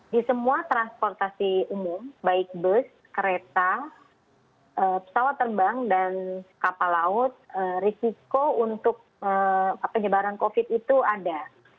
di semua transportasi umum baik bus kereta pesawat terbang dan kapal laut risiko untuk penyebaran covid itu ada